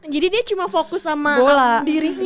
jadi dia cuma fokus sama dirinya